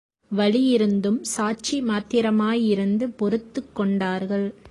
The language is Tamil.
வலியிருந்தும் சாட்சி மாத்திரமாயிருந்து பொறுத்துக் கொண்டார்கள்.